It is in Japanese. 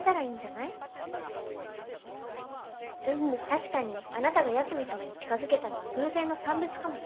確かにあなたが八海サマに近づけたのは偶然の産物かもしれない。